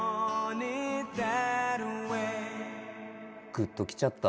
グッときちゃった。